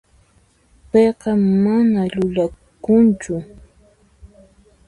Payqa mana llullakunchu.